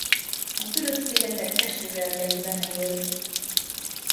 A Fülöp-szigetek esőerdeiben él.